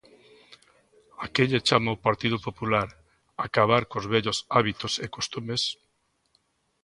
¿A que lle chama o Partido Popular acabar cos vellos hábitos e costumes?